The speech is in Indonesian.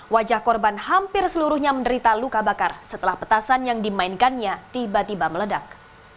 wajah korban hampir seluruhnya menderita luka bakar setelah petasan yang dimainkannya tiba tiba meledak